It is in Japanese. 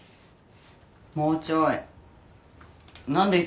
もうちょい。